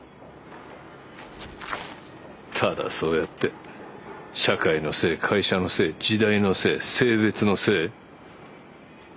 ただそうやって社会のせい会社のせい時代のせい性別のせい。